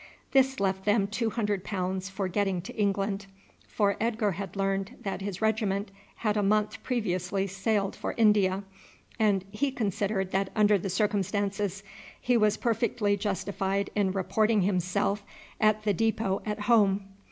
This left them two hundred pounds for getting to England, for Edgar had learned that his regiment had a month previously sailed for India, and he considered that under the circumstances he was perfectly justified in reporting himself at the depot at home.